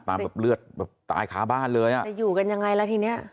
แบบเลือดแบบตายค้าบ้านเลยอ่ะจะอยู่กันยังไงล่ะทีเนี้ย